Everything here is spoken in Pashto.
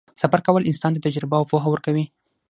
سفر کول انسان ته تجربه او پوهه ورکوي.